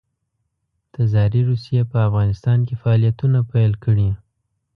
تزاري روسیې په افغانستان کې فعالیتونه پیل کړي.